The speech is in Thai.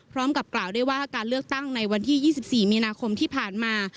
พร้อมกับกล่าวด้วยว่าการเลือกตั้งในวันที่๒๔มีนาคมที่ผ่านมา